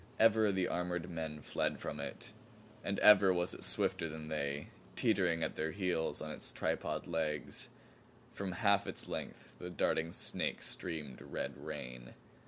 Ever the armored men fled from it, and ever was it swifter than they, teetering at their heels on its tripod legs. From half its length the darting snake streamed red rain.